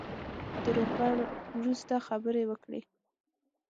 د روغبړ وروسته خبرې وکړې.